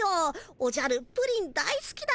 おじゃるプリン大すきだったよね。